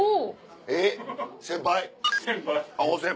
えっ先輩？